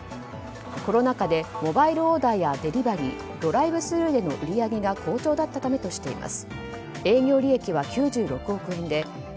コロナ禍でモバイルオーダーやデリバリードライブスルーの売り上げが好調だったためとしています。